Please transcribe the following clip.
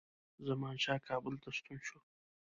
زمانشاه کابل ته ستون شو.